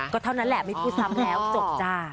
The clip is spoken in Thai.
ก็เท่านั้นแหละไม่พูดซ้ำแล้วจบจ้า